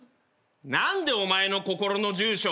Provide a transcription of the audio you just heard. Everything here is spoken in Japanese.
何でお前の心の住所